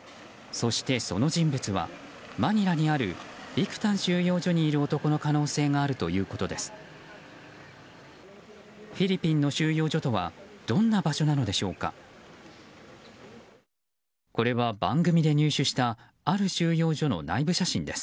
そして、その人物はマニラにあるビクタン収容所にいる男の可能性があるということです。